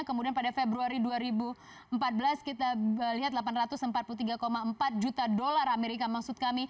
kemudian pada februari dua ribu empat belas kita lihat rp delapan ratus empat puluh tiga empat juta